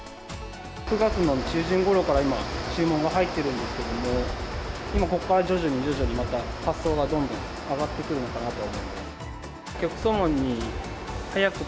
９月の中旬ごろから今、注文が入ってるんですけれども、今ここから徐々に発送がどんどん上がってくるのかなとは思います。